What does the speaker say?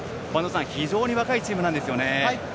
非常に若いチームなんですね。